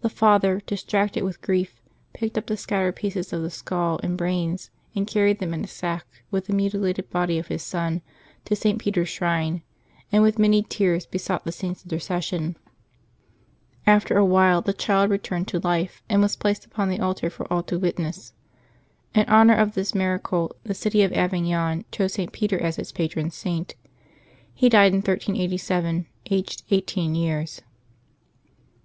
The father, distracted with grief, picked up the scattered pieces of the skull and brains, and carried them in a sack, with the mutilated body of his son, to St. Peter's shrine, and with many tears be sought the Saint's intercession. After a while the child returned to life, and was placed upon the altar for all to witness. In honor of this miracle the city of Avignon chose St. Peter as its patron Saint. He died in 1387, aged eighteen years.